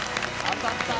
当たった！